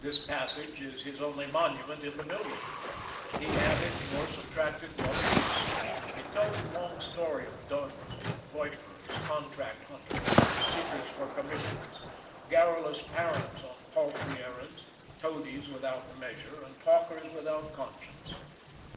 This passage is his only monument in the building; he added nor subtracted nothing else; it tells a long story of duns and loiterers, contract hunters and seekers for commissions, garrulous parents on paltry errands, toadies without measure and talkers without conscience.